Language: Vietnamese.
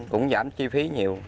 cũng giảm chi phí nhiều